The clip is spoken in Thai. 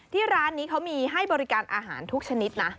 ร้านนี้เขามีให้บริการอาหารทุกชนิดนะ